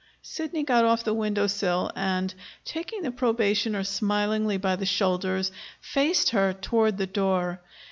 Sidney got off the window sill, and, taking the probationer smilingly by the shoulders, faced her toward the door.